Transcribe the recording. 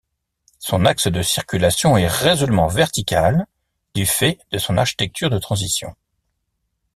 Son axe de circulation est résolument vertical du fait de son architecture de transition.